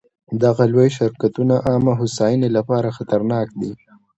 دغه لوی شرکتونه عامه هوساینې لپاره خطرناک دي.